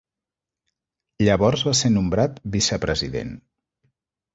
Llavors va ser nombrat vicepresident.